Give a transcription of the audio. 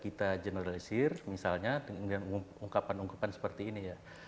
kita bisa generalisir misalnya dengan ungkapan ungkapan seperti ini